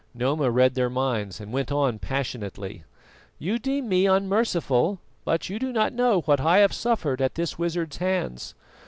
Noma read their minds and went on passionately: "You deem me unmerciful, but you do not know what I have suffered at this wizard's hands.